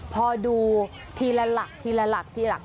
พอดูทีละหลักทีละหลักทีหลัง